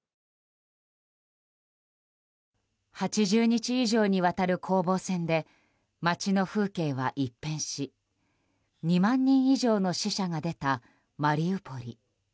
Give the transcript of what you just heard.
８０日以上にわたる攻防戦で街の風景は一変し２万人以上の死者が出たマリウポリ。